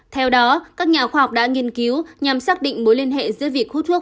theo đó các nhà khoa học đã nghiên cứu nhằm xác định mối liên hệ giữa việc hút thuốc